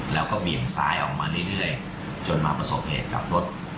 แล้วก็เบี่ยงซ้ายออกมาเรื่อยจนมาประสบเหตุกับรถ